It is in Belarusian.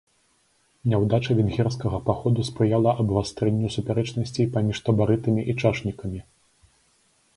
Няўдача венгерскага паходу спрыяла абвастрэнню супярэчнасцей паміж табарытамі і чашнікамі.